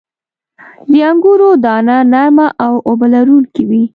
• د انګورو دانه نرمه او اوبه لرونکې وي.